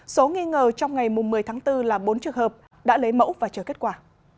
số nghi ngờ trong ngày một mươi tháng bốn là bốn trường hợp đã lấy mẫu và chờ kết quả